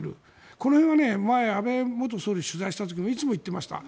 これは前に安倍元総理を取材した時もいつも言っていました。